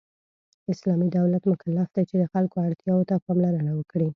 اسلامی دولت مکلف دی چې د خلکو اړتیاوو ته پاملرنه وکړي .